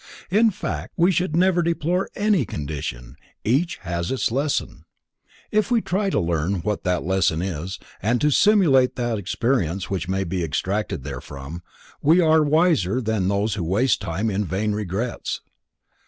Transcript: In fact, we should never deplore any condition, each has its lesson. If we try to learn what that lesson is and to assimilate the experience which may be extracted therefrom, we are wiser than those who waste time in vain regrets.